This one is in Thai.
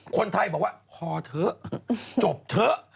คนไทยบอกว่าพอเถอะจบเถอะ